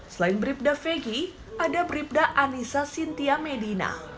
selain bribda fegi ada bribda anissa sintia medina